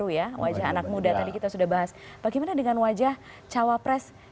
yang tadi disebutkan r